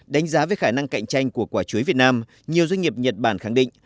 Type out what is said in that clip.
đánh giá về khả năng cạnh tranh của quả chuối việt nam nhiều doanh nghiệp nhật bản khẳng định